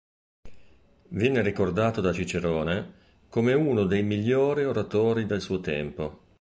Viene ricordato da Cicerone come uno dei migliori oratori del suo tempo